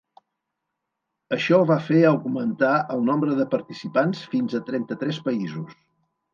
Això va fer augmentar el nombre de participants fins a trenta-tres països.